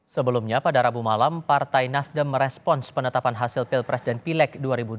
sebelumnya pada rabu malam partai nasdem merespons penetapan hasil pilpres dan pileg dua ribu dua puluh